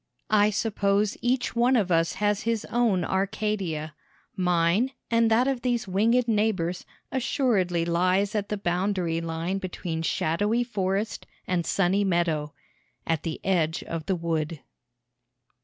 I suppose each one of us has his own Arcadia; mine and that of these winged neighbors assuredly lies at the boundary line between shadowy forest and sunny meadow at the edge of the wood!